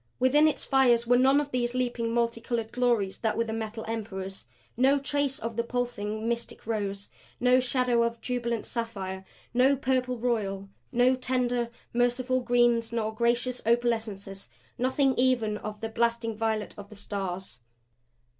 Within its fires were none of those leaping, multicolored glories that were the Metal Emperor's; no trace of the pulsing, mystic rose; no shadow of jubilant sapphire; no purple royal; no tender, merciful greens nor gracious opalescences. Nothing even of the blasting violet of the Stars.